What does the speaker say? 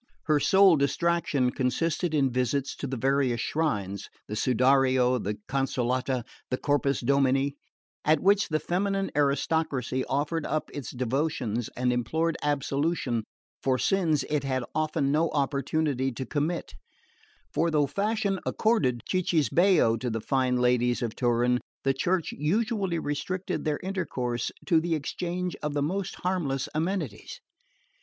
Her sole distraction consisted in visits to the various shrines the Sudario, the Consolata, the Corpus Domini at which the feminine aristocracy offered up its devotions and implored absolution for sins it had often no opportunity to commit: for though fashion accorded cicisbei to the fine ladies of Turin, the Church usually restricted their intercourse to the exchange of the most harmless amenities.